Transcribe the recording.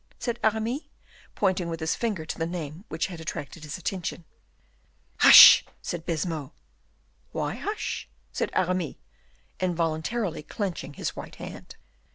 said Aramis, pointing with his finger to the name which had attracted his attention. "Hush!" said Baisemeaux. "Why hush?" said Aramis, involuntarily clenching his white hand.